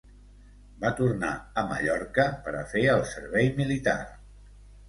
Va tornar a Mallorca per a fer el servei militar.